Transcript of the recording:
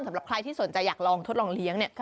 สำหรับใครที่สนใจอยากลองทดลองเลี้ยงเนี่ย